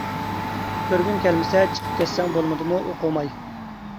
كۆرگۈڭ كەلمىسە چىقىپ كەتسەڭ بولمىدىمۇ ئوقۇماي.